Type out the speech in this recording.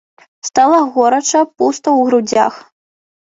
Стала горача, пуста ў грудзях.